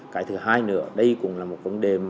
cái thứ hai nữa đây cũng là một vấn đề